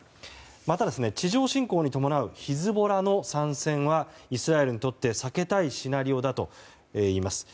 また、地上侵攻に伴うヒズボラの参戦はイスラエルにとって避けたいシナリオだといいます。